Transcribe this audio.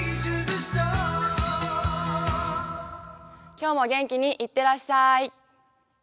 今日も元気にいってらっしゃーい。